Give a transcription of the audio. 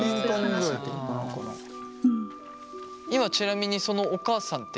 今ちなみにそのお母さんっているの？